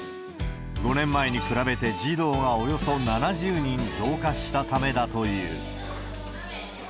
５年前に比べて児童がおよそ７０人増加したためだという。